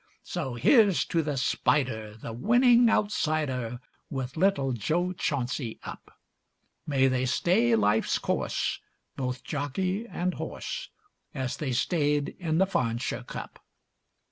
So here's to the Spider, the winning outsider, With little Jo Chauncy up; May they stay life's course, both jockey and horse, As they stayed in the Farnshire Cup.